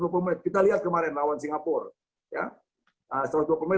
kita lihat kemarin lawan singapore